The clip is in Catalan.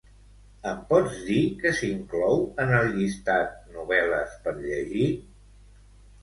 Em pots dir què s'inclou en el llistat "novel·les per llegir"?